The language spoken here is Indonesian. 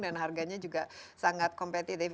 harganya juga sangat kompetitif